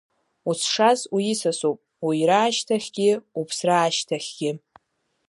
Узшаз уисасуп уира ашьҭахьгьы, уԥсра ашьҭахьгьы.